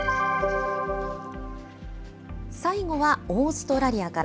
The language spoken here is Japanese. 最後は、オーストラリアから。